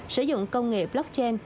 sử dụng công nghệ blockchain